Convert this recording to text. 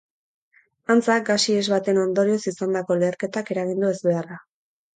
Antza, gas ihes baten ondorioz izandako leherketak eragin du ezbeharra.